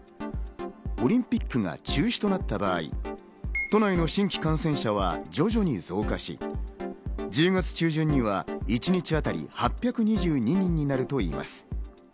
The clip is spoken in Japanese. オリンピックが中止となった場合、都内の新規感染者は徐々に増加し、１０月中旬には一日当たり８２２人になるといいます。